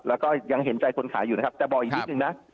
แล้วก็ยังเห็นใจคนขายอยู่นะครับแต่บอกอีกนิดนึงนะ